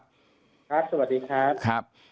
ครับสวัสดีครับ